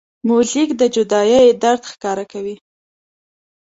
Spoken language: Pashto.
موزیک د جدایۍ درد ښکاره کوي.